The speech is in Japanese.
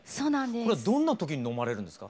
これはどんな時に飲まれるんですか？